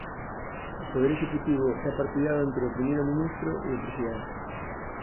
O poder executivo é partillado entre o "primeiro ministro" e o "presidente".